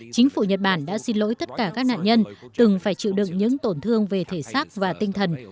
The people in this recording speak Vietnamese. chính phủ nhật bản đã xin lỗi tất cả các nạn nhân từng phải chịu đựng những tổn thương về thể xác và tinh thần